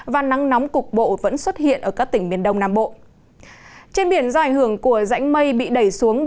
và nắng nóng cục bộ vẫn xuất hiện ở các tỉnh miền đông nam bộ